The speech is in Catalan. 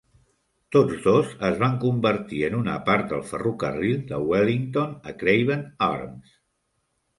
Tots dos es van convertir en una part del ferrocarril de Wellington a Craven Arms.